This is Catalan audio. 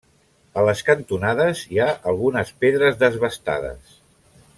A les cantonades hi ha algunes pedres desbastades.